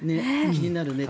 気になるね。